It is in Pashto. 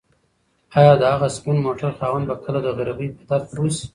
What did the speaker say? ایا د هغه سپین موټر خاوند به کله د غریبۍ په درد پوه شي؟